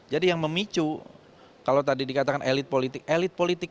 jadi yang memicu kalau tadi dikatakan elit politik